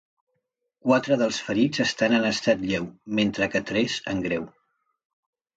Quatre dels ferits estan en estat lleu, mentre que tres en greu.